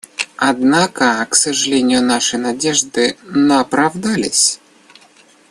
Однако, к сожалению, наши надежды на оправдались.